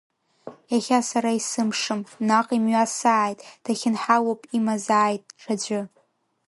Иахьа сара исымшым, наҟ имҩасааит, дахьынҳалоуп имазааит ҽаӡәы.